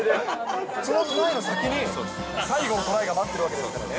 そのトライの先に、最後のトライが待ってるわけですからね。